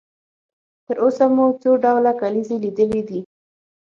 تر اوسه مو څو ډوله کلیزې لیدلې دي؟